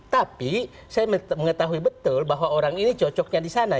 tapi saya mengetahui betul bahwa orang ini cocoknya di sana